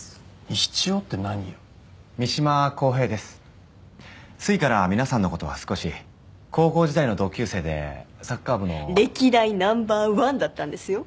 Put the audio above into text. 一応って何よ三島公平ですすいから皆さんのことは少し高校時代の同級生でサッカー部の歴代ナンバー１だったんですよ